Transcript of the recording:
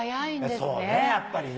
そうね、やっぱりね。